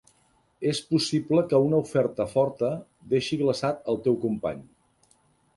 És possible que una oferta forta deixi glaçat al teu company.